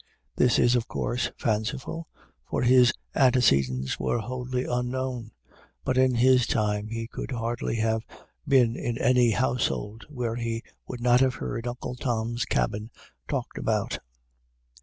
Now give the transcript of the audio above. This is, of course, fanciful, for his antecedents were wholly unknown, but in his time he could hardly have been in any household where he would not have heard Uncle Tom's Cabin talked about.